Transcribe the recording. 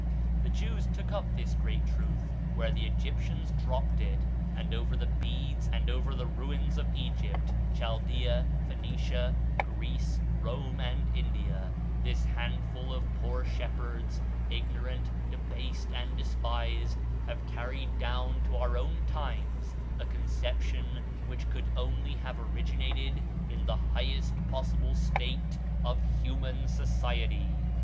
The Jews took up this great truth where the Egyptians dropped it, and over the heads and over the ruins of Egypt, Chaldea, Phoenicia, Greece, Rome, and India this handful of poor shepherds ignorant, debased, and despised have carried down to our own times a conception which could only have originated in the highest possible state of human society.